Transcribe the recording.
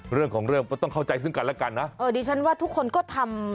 เรื่องของเรื่องก็ต้องเข้าใจซึ่งกันแล้วกันนะเออดิฉันว่าทุกคนก็ทำ